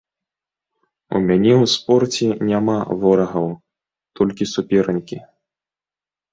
У мяне ў спорце няма ворагаў, толькі супернікі.